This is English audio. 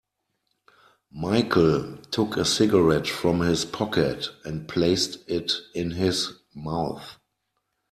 Michael took a cigarette from his pocket and placed it in his mouth.